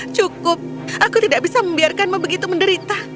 cukup aku tidak bisa membiarkanmu begitu menderita